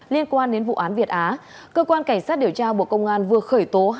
liên quan đến vụ án việt á cơ quan cảnh sát điều tra bộ công an vừa khởi tố